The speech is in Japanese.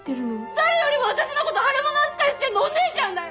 誰よりも私のこと腫れもの扱いしてんのお姉ちゃんだよ！